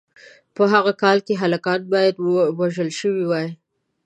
په هغه کال کې هلکان باید وژل شوي وای.